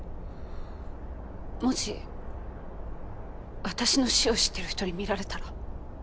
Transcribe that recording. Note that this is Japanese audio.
もし私の死を知ってる人に見られたら？